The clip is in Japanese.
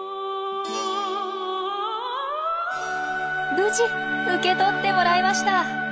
無事受け取ってもらえました。